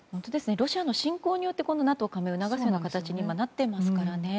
ロシアの侵攻によってＮＡＴＯ加盟を促すようになっていますからね。